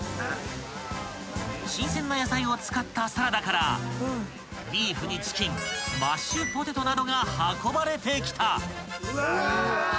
［新鮮な野菜を使ったサラダからビーフにチキンマッシュポテトなどが運ばれてきた］